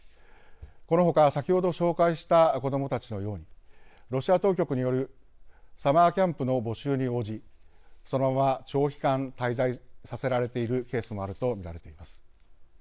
このほか先ほど紹介した子どもたちのようにロシア当局によるサマーキャンプの募集に応じそのまま長期間滞在させられているケースもあると見られています。